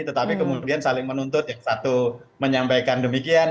tetapi kemudian saling menuntut yang satu menyampaikan demikian